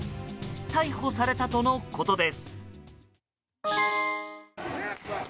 逮捕されたとのことです。